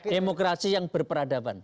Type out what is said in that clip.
demokrasi yang berperadaban